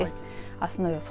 あすの予想